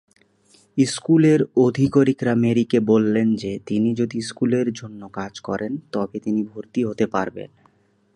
স্কুলের আধিকারিকরা মেরিকে বলেন যে তিনি যদি স্কুলের জন্য কাজ করেন তবেই তিনি ভর্তি হতে পারবেন।